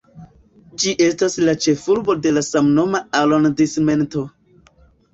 Ĝi estas la ĉefurbo de la samnoma arondismento.